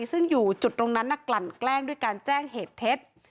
ซึ่งอยู่จุดตรงนั้นกลั่นแกล้งด้วยการแจ้งเหตุเท็จ